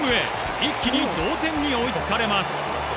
一気に同点に追いつかれます。